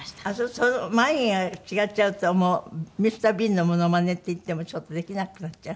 その眉毛が違っちゃうともうＭｒ．ビーンのものまねっていってもちょっとできなくなっちゃう？